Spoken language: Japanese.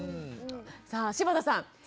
さあ柴田さん。